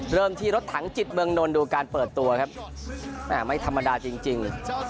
เริ่มที่รถถังจิตเมืองนนท์ดูการเปิดตัวครับไม่ธรรมดาจริง